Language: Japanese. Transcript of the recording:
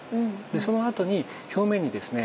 でそのあとに表面にですね